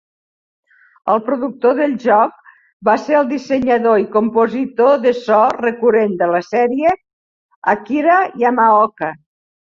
El productor del joc va ser el dissenyador i compositor de so recurrent de la sèrie, Akira Yamaoka.